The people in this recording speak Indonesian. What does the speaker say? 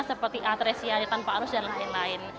seperti atresian tanpa arus dan lain lain